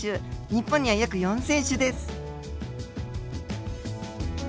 日本には約４，０００種です。